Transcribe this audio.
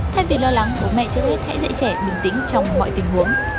thay vì lo lắng bố mẹ cho thích hãy dễ trẻ bình tĩnh trong mọi tình huống